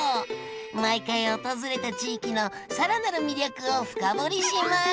毎回訪れた地域の更なる魅力を深掘りします！